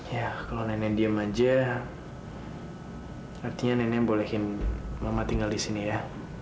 ya kalau nenek diem aja artinya nenek bolehin mama tinggal di sini ya